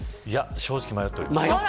正直迷っています。